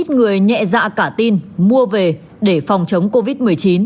ít người nhẹ dạ cả tin mua về để phòng chống covid một mươi chín